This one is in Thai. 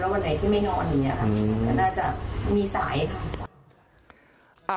วันไหนที่ไม่นอนอย่างเงี้ค่ะก็น่าจะมีสาย